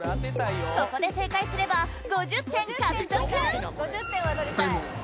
ここで正解すれば５０点獲得！